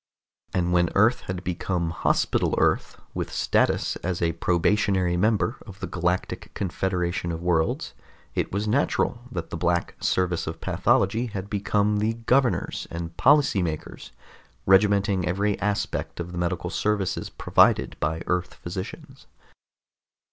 And when Earth had become Hospital Earth, with status as a probationary member of the Galactic Confederation of Worlds, it was natural that the Black Service of Pathology had become the governors and policy makers, regimenting every aspect of the medical services provided by Earth physicians.